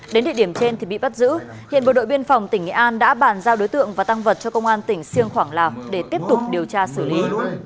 đến địa điểm trên thì bị bắt giữ hiện bộ đội biên phòng tỉnh nghệ an đã bàn giao đối tượng và tăng vật cho công an tỉnh siêng khoảng lào để tiếp tục điều tra xử lý